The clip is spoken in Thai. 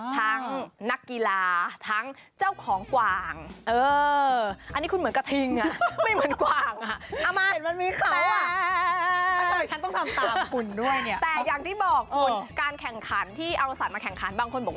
ทั้งนักกีฬาทั้งเจ้าของกว่าง